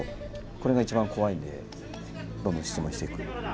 これが一番怖いんでどんどん質問していく。